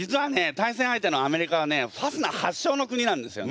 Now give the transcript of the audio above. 対戦相手のアメリカはねファスナー発祥の国なんですよね。